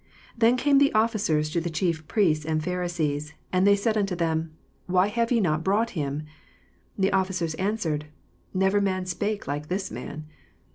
45 Then came the oflScers to the chief priests and Pharisees; and they said unto them, Why have ye not brought him? 46 The officers answered, Never man spake like this man.